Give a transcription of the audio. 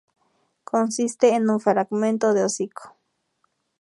Consiste en un fragmento de hocico.